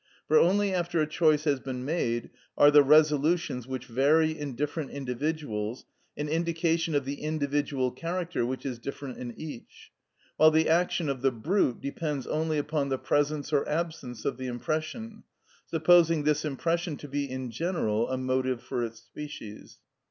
For only after a choice has been made are the resolutions, which vary in different individuals, an indication of the individual character which is different in each; while the action of the brute depends only upon the presence or absence of the impression, supposing this impression to be in general a motive for its species.